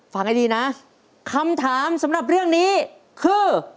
ฟังให้ดีนะคำถามสำหรับเรื่องนี้คือ